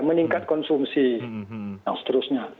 meningkat konsumsi dan seterusnya